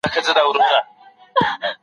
په زرګونو ځوانان تښتي؛ د خواږه وطن له غېږي